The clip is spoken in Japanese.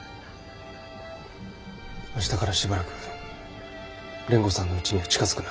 明日からしばらく蓮子さんのうちには近づくな。